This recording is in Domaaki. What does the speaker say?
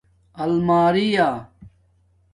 المیریݳ